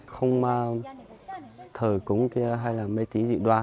không thở cúng hay mê tí dị đoan